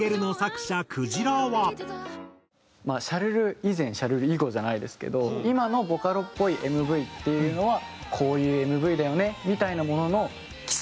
以前『シャルル』以後じゃないですけど今のボカロっぽいＭＶっていうのはこういうＭＶだよねみたいなものの基礎。